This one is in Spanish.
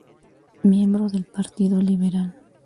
Miembro del Partido Liberal.